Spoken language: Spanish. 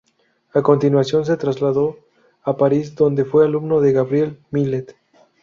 A continuación se trasladó a París, donde fue alumno de Gabriel Millet.